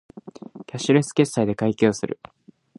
キャッシュレス決済で会計をする